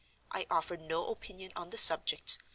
I offer no opinion on the subject.